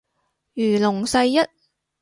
如龍世一